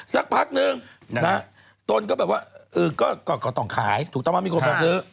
สักพักนึงนะตนก็แบบว่าเออก็ต้องขายถูกต้องไหมมีคนมาซื้อ